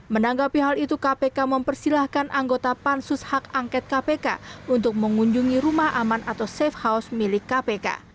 menanggapi hal itu kpk mempersilahkan anggota pansus hak angket kpk untuk mengunjungi rumah aman atau safe house milik kpk